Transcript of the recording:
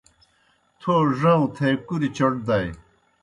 تھو ڙؤں تھے کُریْ چوْٹ دائے۔